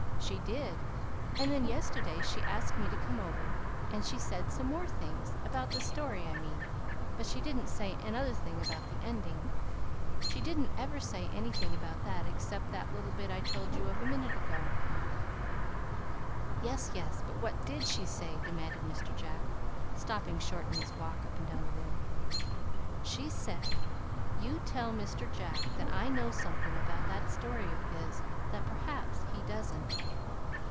"She did; and then yesterday she asked me to come over, and she said some more things, about the story, I mean, but she didn't say another thing about the ending. She didn't ever say anything about that except that little bit I told you of a minute ago." "Yes, yes, but what did she say?" demanded Mr. Jack, stopping short in his walk up and down the room. "She said: 'You tell Mr. Jack that I know something about that story of his that perhaps he doesn't.